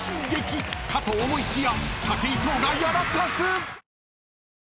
［かと思いきや］